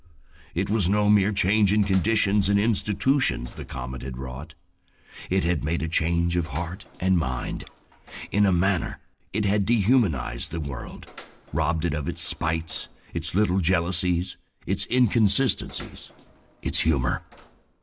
It was no mere change in conditions and institutions the comet had wrought. It had made a change of heart and mind. In a manner it had dehumanized the world, robbed it of its spites, its little intense jealousies, its inconsistencies, its humor.